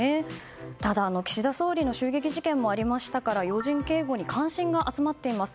ただ、岸田総理の襲撃事件もありましたから要人警護に関心が集まっています。